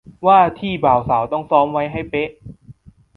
ว่าที่บ่าวสาวต้องซ้อมไว้ให้เป๊ะ